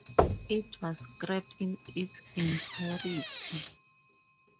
It was scrapped in its entirety.